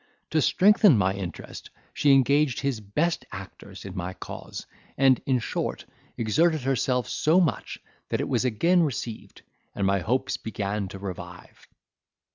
To strengthen my interest, she engaged his best actors in my cause; and, in short, exerted herself so much, that it was again received, and my hopes began to revive.